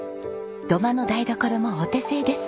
土間の台所もお手製です。